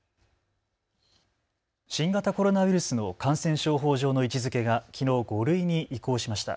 新型コロナウイルスの感染症法上の位置づけがきのう５類に移行しました。